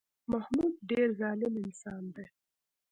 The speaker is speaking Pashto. محمود ډېر ظالم انسان دی